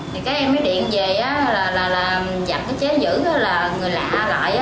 thì cái em mới điện về là dặn cái chế giữ là người lạ loại